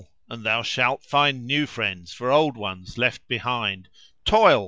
and thou shalt find new friends for old ones left behind; * Toil!